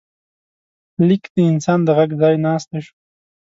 لیک د انسان د غږ ځای ناستی شو.